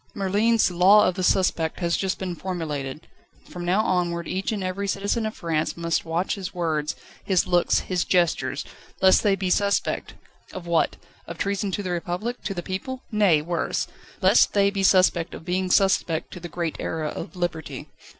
Merlin's "Law of the Suspect" has just been formulated. From now onward each and every citizen of France must watch his words, his looks, his gestures, lest they be suspect. Of what of treason to the Republic, to the people? Nay, worse! lest they be suspect of being suspect to the great era of Liberty.